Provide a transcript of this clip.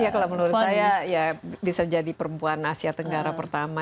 ya kalau menurut saya ya bisa jadi perempuan asia tenggara pertama